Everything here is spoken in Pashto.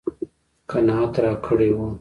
قناعت راکړی و.